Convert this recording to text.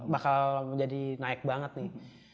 bakal menjadi naik banget nih